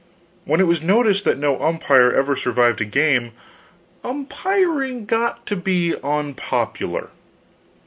When it was noticed that no umpire ever survived a game, umpiring got to be unpopular.